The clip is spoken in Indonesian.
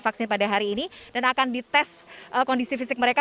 vaksin pada hari ini dan akan dites kondisi fisik mereka